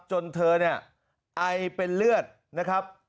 จนเธอเนี่ยไอเป็นเลือดนะครับ